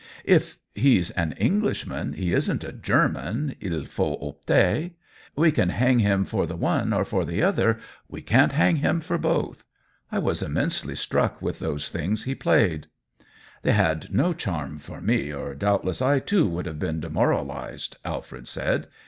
" If he's an Englishman he isn't a German — ilfautopter. We can hang him for the one or ipx the other; we can't hang him for both. I was immensely struck with those things he played." "They had no charm for me, or doubt less I, too, should have been demoralized," Alfred said.